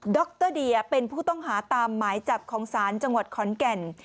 รเดียเป็นผู้ต้องหาตามหมายจับของศาลจังหวัดขอนแก่น